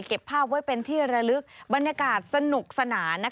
เก็บภาพไว้เป็นที่ระลึกบรรยากาศสนุกสนาน